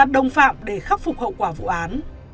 đồng phạm để khắc phục hậu quả vụ án